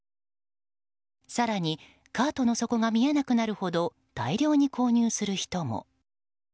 更に、カートの底が見えなくなるほど大量に購入する人も。